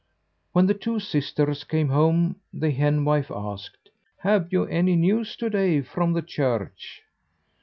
When the two sisters came home the henwife asked: "Have you any news to day from the church?"